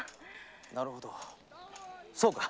なるほどそうか！